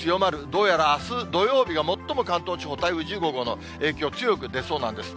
どうやらあす土曜日は最も関東地方、台風１５号の影響、強く出そうなんです。